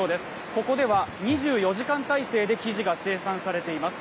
ここでは２４時間態勢で生地が生産されています。